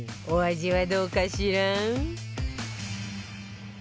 お味はどうかしら？